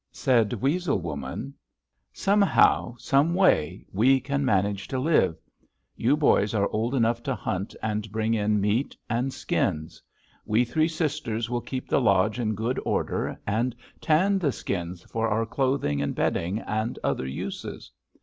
Said Weasel Woman: 'Somehow, some way, we can manage to live. You boys are old enough to hunt and bring in meat and skins. We three sisters will keep the lodge in good order, and tan the skins for our clothing and bedding, and other uses.'